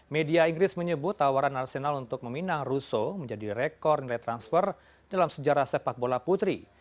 media inggris menyebut tawaran arsenal untuk meminang russo menjadi rekor nilai transfer dalam sejarah sepak bola putri